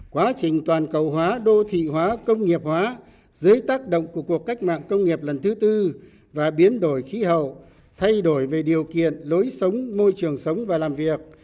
quá trình toàn cầu hóa đô thị hóa công nghiệp hóa dưới tác động của cuộc cách mạng công nghiệp lần thứ tư và biến đổi khí hậu thay đổi về điều kiện lối sống môi trường sống và làm việc